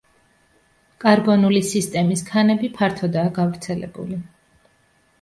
კარბონული სისტემის ქანები ფართოდაა გავრცელებული.